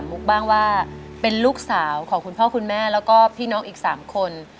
แล้วก็พี่น้องอีก๓คน